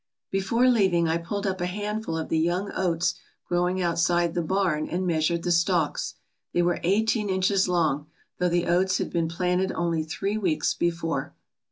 Before leaving I pulled up a handful of the young oats growing outside the barn and measured the stalks. They were eighteen inches long, though the oats had been planted only three weeks before.